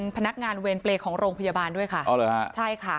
พนักงานเวรเปรย์ของโรงพยาบาลด้วยค่ะอ๋อเหรอฮะใช่ค่ะ